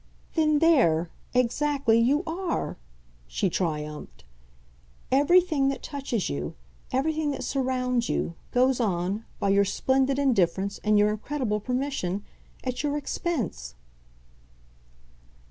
"Then there, exactly, you are!" she triumphed. "Everything that touches you, everything that surrounds you, goes on by your splendid indifference and your incredible permission at your expense."